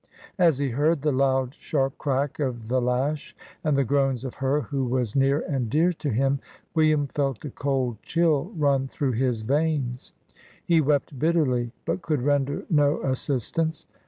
As he heard the loud, sharp crack of the lash, and the groans of her who was near and dear to him, William felt a cold chill run through his veins. He wept bitterly, but could render no assistance.